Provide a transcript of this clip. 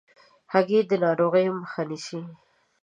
هګۍ د ناروغیو مخه نیسي.